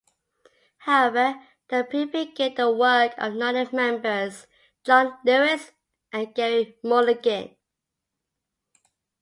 However, they prefigured the work of nonet members John Lewis and Gerry Mulligan.